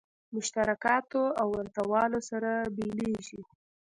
مشترکاتو او ورته والو سره بېلېږي.